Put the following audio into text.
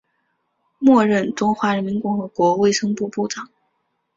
末任中华人民共和国卫生部部长。